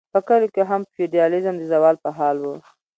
په کلیو کې هم فیوډالیزم د زوال په حال و.